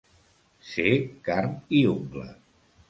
Ser carn i ungla.